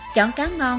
chọn cá ngon